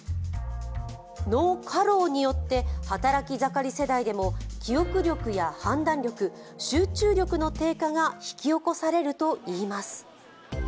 脳過労によって働き盛り世代でも記憶力や判断力、集中力の低下が引き起こされるといいます。